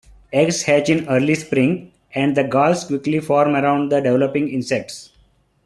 Eggs hatch in early spring and the galls quickly form around the developing insects.